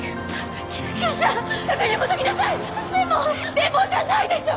「でも」じゃないでしょ！